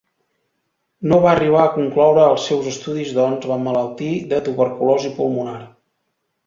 No va arribar a concloure els seus estudis doncs va emmalaltir de tuberculosi pulmonar.